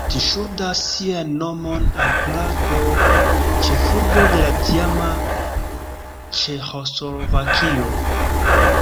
Ĝi ŝuldas sian nomon al Prago, ĉefurbo de la tiama Ĉeĥoslovakio.